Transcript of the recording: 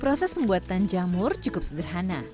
proses pembuatan jamur cukup sederhana